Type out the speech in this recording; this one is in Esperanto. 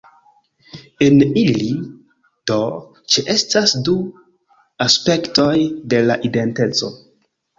En ili, do, ĉeestas du aspektoj de la identeco.